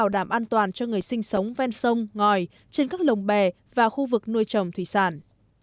an toàn cho người sinh sống ven sông ngòi trên các lồng bè và khu vực nuôi trồng thủy sản